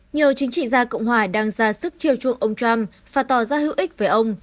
nhiều chính trị gia cộng hòa đang ra sức chiêu chuộng ông trump và tỏ ra hữu ích với ông